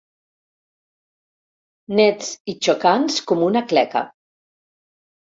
Nets i xocants com una cleca.